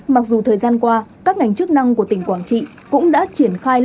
mặc dù thời gian qua các ngành chức năng của tỉnh quảng trị cũng đã triển khai lực lượng nước mặn